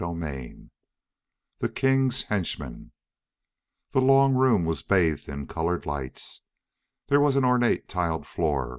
CHAPTER VI The King's Henchman The long room was bathed in colored lights. There was an ornate tiled floor.